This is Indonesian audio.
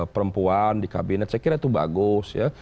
perempuan di kabinet saya kira itu bagus ya